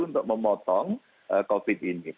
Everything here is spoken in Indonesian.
untuk memotong covid ini